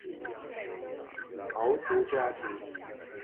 森明顿生于纽约市一个来自于马里兰州的豪族家庭。